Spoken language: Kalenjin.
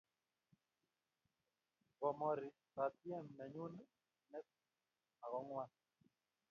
Bomori patiem nenyun net ako ngwan